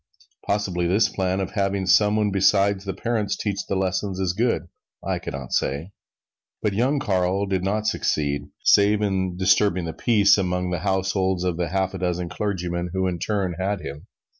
Possibly this plan of having some one besides the parents teach the lessons is good I can not say. But young Carl did not succeed save in disturbing the peace among the households of the half dozen clergymen who in turn had him.